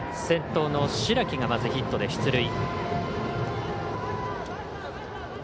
先頭の白木が、まずヒットで出塁。